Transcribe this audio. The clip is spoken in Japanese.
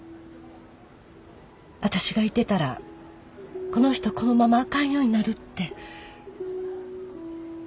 私がいてたらこの人このままあかんようになるって。